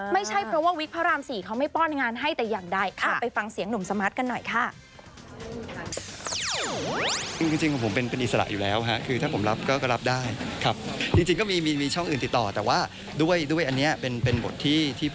ไม่ใช่เพราะว่าวิทย์พระราม๔เขาไม่ป้อนงานให้แต่อย่างใด